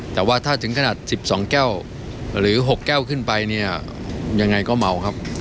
แต่ว่าถ้าถึงขนาด๑๒แก้วหรือ๖แก้วขึ้นไปเนี่ยยังไงก็เมาครับ